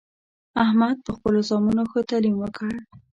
احمد په خپلو زامنو ښه تعلیم وکړ